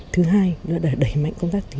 thứ hai là đã đẩy mạnh công tác tùy truyền